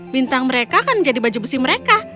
bintang mereka kan menjadi baju besi mereka